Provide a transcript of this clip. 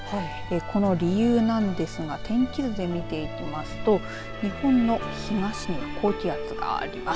この理由なんですが天気図で見ていきますと日本の東に高気圧があります。